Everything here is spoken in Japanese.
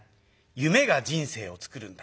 夢が人生をつくるんだ」。